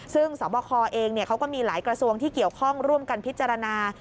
ซึ่งสบคเองเขาก็มีหลายกระทรวงที่เกี่ยวข้องร่วมกันพิจารณา